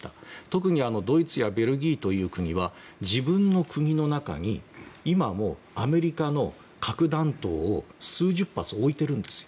特にドイツやベルギーという国は自分の国の中に今もアメリカの核弾頭を数十発置いてるんです。